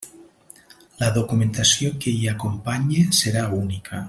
La documentació que hi acompanye serà única.